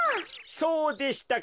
そうでしたか。